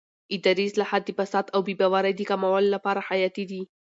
اداري اصلاحات د فساد او بې باورۍ د کمولو لپاره حیاتي دي